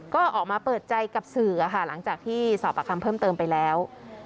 ก็ออกมาเปิดใจกับสื่อค่ะหลังจากที่สอบปากคำเพิ่มเติมไปแล้ว